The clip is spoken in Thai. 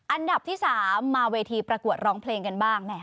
อันดับที่๓มาเวทีประกวดร้องเพลงกันบ้าง